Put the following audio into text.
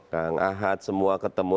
kang ahad semua ketemu